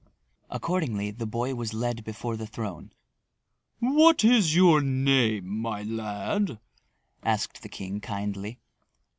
Accordingly, the boy was led before the throne. "What is your name, my lad?" asked the king kindly.